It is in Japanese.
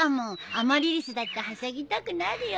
アマリリスだってはしゃぎたくなるよね。